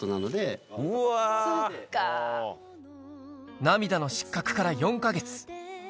涙の失格から４か月。